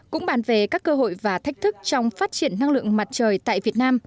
cũng bàn về các cơ hội và thách thức trong phát triển năng lượng mặt trời tại việt nam